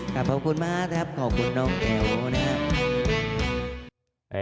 ขอบคุณมากครับขอบคุณน้องแอ๋วนะครับ